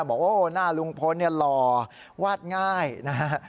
บอกว่าหน้าลุงพลเนี่ยหล่อวาดง่ายนะฮะ